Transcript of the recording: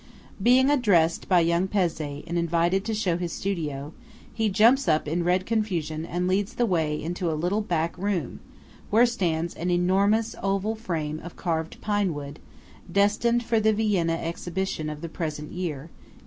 Being addressed by young Pezzé and invited to show his studio, be jumps up in red confusion, and leads the way into a little back room where stands an enormous oval frame of carved pine wood destined for the Vienna Exhibition of the present year (1873).